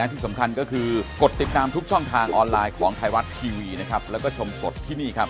ติดตามทุกช่องทางออนไลน์ของไทยรัฐทีวีนะครับแล้วก็ชมสดที่นี่ครับ